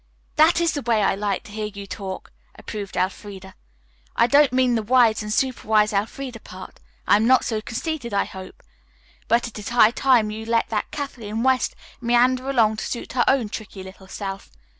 "That is the way I like to hear you talk," approved Elfreda. "I don't mean the 'wise and superwise Elfreda' part. I'm not so conceited, I hope. But it is high time you let that Kathleen West meander along to suit her own tricky little self.